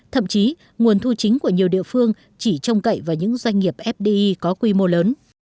thậm chí nguồn thu chính của nhiều địa phương chỉ trông cậy vào những doanh nghiệp fdi có quy mô lớn